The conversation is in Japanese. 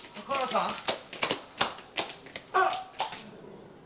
あっ。